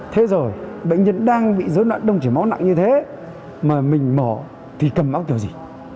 thế rồi bệnh nhân đang bị dối loạn đông chảy máu nặng như thế mà mình mỏ thì cầm máu kiểu gì